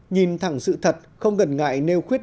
nhìn thẳng sự thật không gần ngại nêu khuyết